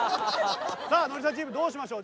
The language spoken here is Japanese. ノリさんチームどうしましょう？